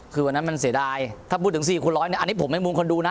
คือวันนั้นมันเสียดายถ้าพูดถึง๔คูณร้อยเนี่ยอันนี้ผมเป็นมุมคนดูนะ